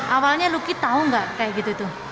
awalnya luki tahu nggak kayak gitu tuh